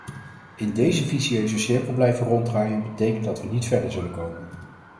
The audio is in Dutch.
In deze vicieuze cirkel blijven ronddraaien betekent dat we niet verder zullen komen.